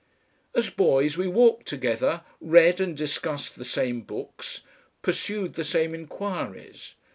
As boys, we walked together, read and discussed the same books, pursued the same enquiries.